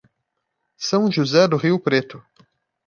São José do Rio Preto